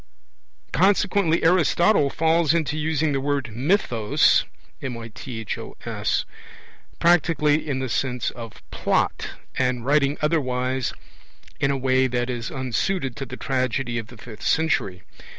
Consequently Aristotle falls into using the word mythos practically in the sense of 'plot', and writing otherwise in a way that is unsuited to the tragedy of the fifth century.